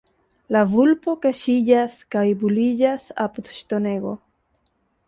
La vulpo kaŝiĝas kaj buliĝas apud ŝtonego.